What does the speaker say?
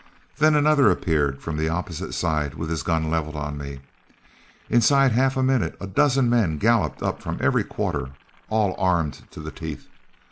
Then another appeared from the opposite side with his gun leveled on me. Inside of half a minute a dozen men galloped up from every quarter, all armed to the teeth.